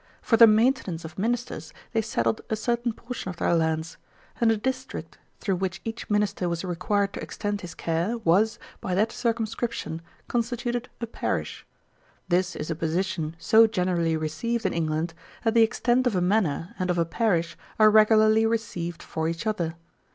For the maintenance of ministers, they settled a certain portion of their lands; and a district, through which each minister was required to extend his care, was, by that circumscription, constituted a parish. This is a position so generally received in England, that the extent of a manor and of a parish are regularly received for each other.